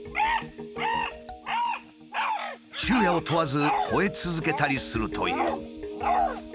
昼夜を問わずほえ続けたりするという。